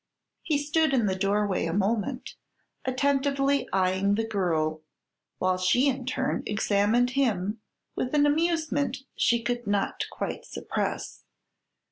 He stood in the doorway a moment, attentively eyeing the girl, while she in turn examined him with an amusement she could not quite suppress.